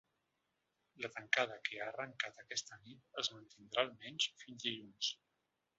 La tancada, que ha arrencat aquesta nit, es mantindrà almenys fins dilluns.